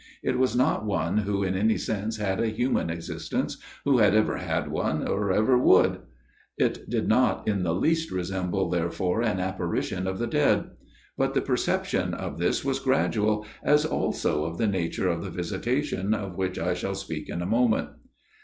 It was not one who in any sense had a human existence, who had ever had one, or ever would. It did not in the least resemble therefore an apparition of the dead. But the perception of this was gradual, as also of the FATHER GIRDLESTONE'S TALE 99 nature of the visitation of which I shall speak in a moment.